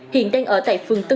hiện đang ở tại phường tân